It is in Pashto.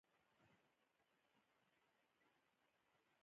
سر دي لکه پټاټه